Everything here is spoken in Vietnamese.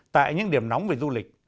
tại những điểm nóng về du lịch